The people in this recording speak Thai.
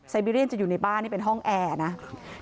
บิเรียนจะอยู่ในบ้านนี่เป็นห้องแอร์นะ